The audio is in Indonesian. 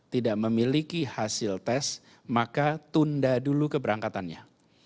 tidak memiliki hasil tes maka tunda dulu keberangkatannya